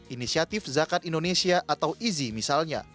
inisiatif zakat indonesia atau izi misalnya